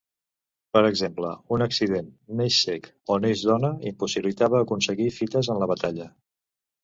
Per exemple, un accident, néixer cec, o néixer dona impossibilitava aconseguir fites en la batalla.